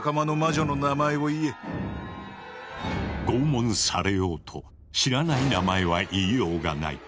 拷問されようと知らない名前は言いようがない。